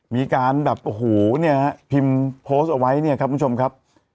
มีการแบบโอ้โหเนี่ยฮะพิมพ์โพสต์เอาไว้เนี่ยครับคุณผู้ชมครับ